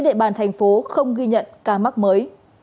các địa phương ghi nhận số ca nhiễm giảm nhiều nhất so với ngày trước đó